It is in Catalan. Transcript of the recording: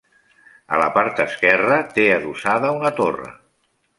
A la part esquerra té adossada una torre.